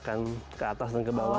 kita akan ke atas dan ke bawah